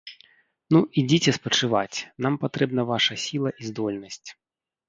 Ну, ідзіце спачываць, нам патрэбна ваша сіла і здольнасць.